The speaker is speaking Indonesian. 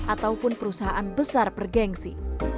ataupun perusahaan besar per gengsi